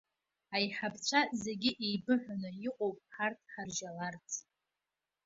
Аиҳабацәа зегьы еибыҳәаны иҟоуп ҳарҭ ҳаржьаларц.